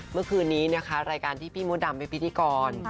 เมื่อคืนนี้นะคะรายการที่พี่มดดำเป็นพิธีกร